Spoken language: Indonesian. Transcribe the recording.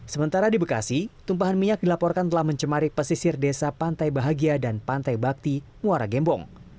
sementara di bekasi tumpahan minyak dilaporkan telah mencemari pesisir desa pantai bahagia dan pantai bakti muara gembong